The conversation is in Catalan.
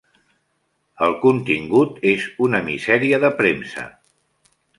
El contingut és una misèria de premsa.